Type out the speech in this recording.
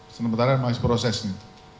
sementara yang masih prosesnya